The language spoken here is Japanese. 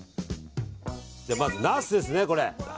まずナスですね。